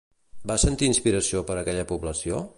Va sentir inspiració per aquella població?